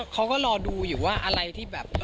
เขาก็รอดูอยู่ว่าอะไรที่แบบ